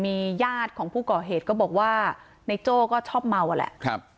มีญาติของผู้ก่อเหตุก็บอกว่าในโจ้ก็ชอบเมาอ่ะแหละครับ